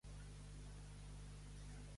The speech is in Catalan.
Com l'ha definit Turull?